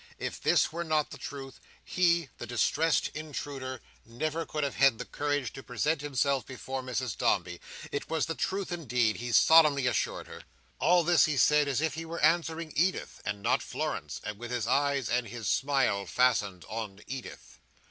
If this were not the truth, he, the distressed intruder, never could have had the courage to present himself before Mrs Dombey. It was the truth indeed, he solemnly assured her. All this he said as if he were answering Edith, and not Florence, and with his eyes and his smile fastened on Edith.